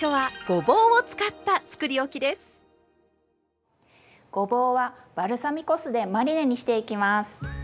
ごぼうはバルサミコ酢でマリネにしていきます。